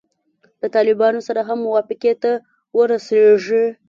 له طالبانو سره هم موافقې ته ورسیږي.